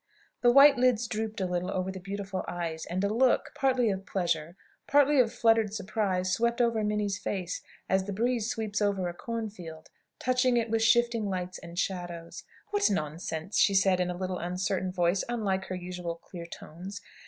The white lids drooped a little over the beautiful eyes, and a look, partly of pleasure, partly of fluttered surprise, swept over Minnie's face, as the breeze sweeps over a corn field, touching it with shifting lights and shadows. "What nonsense!" she said, in a little uncertain voice, unlike her usual clear tones.